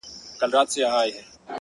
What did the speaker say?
هره ورځ د فرصتونو خزانه ده,